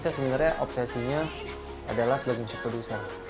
saya sebenarnya obsesinya adalah sebagai music producer